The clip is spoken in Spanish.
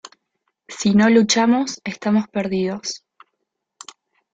Si no luchamos, estamos perdidos".